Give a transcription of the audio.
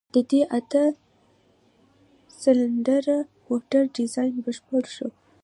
د دې اته سلنډره موټر ډيزاين بشپړ شو.